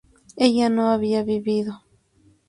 ella no había vivido